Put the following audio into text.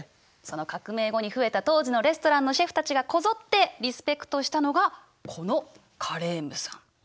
その革命後に増えた当時のレストランのシェフたちがこぞってリスペクトしたのがこのカレームさん。